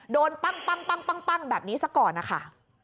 โดนปั้งแบบนี้สักก่อนอ่ะค่ะ